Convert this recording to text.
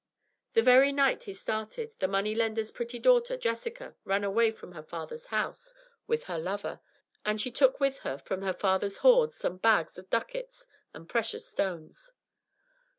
The very night he started, the money lender's pretty daughter, Jessica, ran away from her father's house with her lover, and she took with her from her father's hoards some bags of ducats and precious stones.